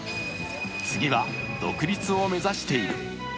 次は独立を目指している。